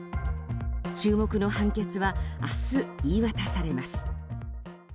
注目の判決は明日、言い渡されます。